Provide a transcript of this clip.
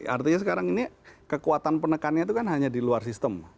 artinya sekarang ini kekuatan penekannya itu kan hanya di luar sistem